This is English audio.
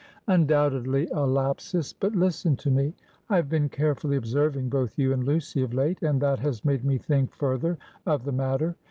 "Undoubtedly, a lapsus. But listen to me. I have been carefully observing both you and Lucy of late; and that has made me think further of the matter.